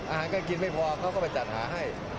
อาหารการกินไม่พอเขาก็ไปจัดหาให้